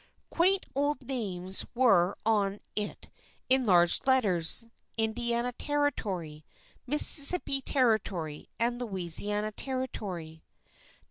Quaint old names were on it, in large letters: Indiana Territory, Mississippi Territory, and Louisiana Territory.